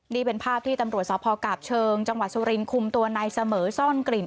นี่เป็นภาพที่ตำรวจสพกาบเชิงจังหวัดสุรินคุมตัวนายเสมอซ่อนกลิ่น